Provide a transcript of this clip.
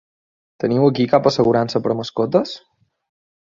Teniu aquí cap assegurança per a mascotes?